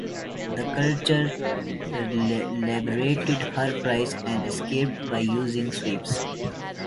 The cutter liberated her prize and escaped by using her sweeps.